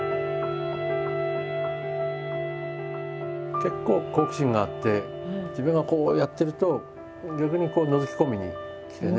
結構好奇心があって自分がこうやってると逆にこうのぞき込みに来てね。